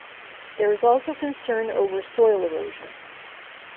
There is also concern over soil erosion.